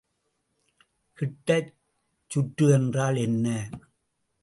கிட்டச்சுற்று என்றால் என்ன?